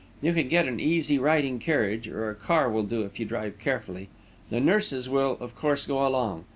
You can get an easy riding carriage or a car will do, if you drive carefully. The nurses, will, of course, go along.